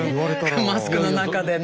マスクの中でね。